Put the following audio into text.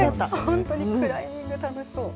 本当に、クライミング楽しそう。